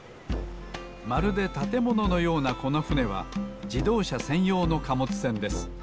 まるでたてもののようなこのふねは自動車せんようの貨物船です。